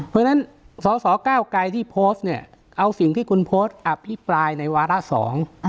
เพราะฉะนั้นสอสอก้าวไกรที่โพสต์เนี่ยเอาสิ่งที่คุณโพสต์อภิปรายในวาระสอง